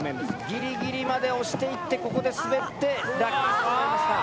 ギリギリまで押していってここで滑って落下してしまいました。